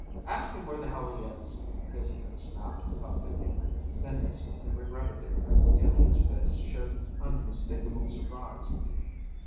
"Ask him where the hell he is," Heselton snapped without thinking, then instantly regretted it as the alien's face showed unmistakable surprise.